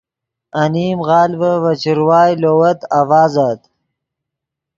انیم غالڤے ڤے چروائے لووت آڤازت